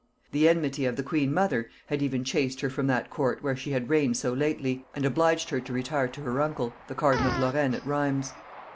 The enmity of the queen mother had even chased her from that court where she had reigned so lately, and obliged her to retire to her uncle, the cardinal of Lorrain at Rheims.